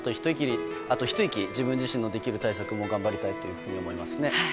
あとひと息自分自身のできる対策を頑張りたいと思います。